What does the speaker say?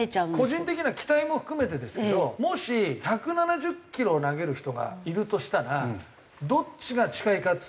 個人的な期待も含めてですけどもし１７０キロを投げる人がいるとしたらどっちが近いかっていったら僕は佐々木投手かと思いますね。